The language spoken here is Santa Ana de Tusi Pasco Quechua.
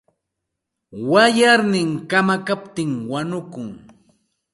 Wayarnin kamakaptin wanukun.